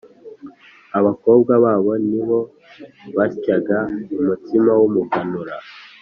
abakobwa babo ni bo basyaga umutsima w’umuganura